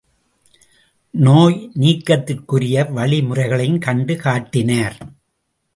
நோய் நீக்கத்திற்குரிய வழிமுறைகளையும் கண்டு காட்டினார்.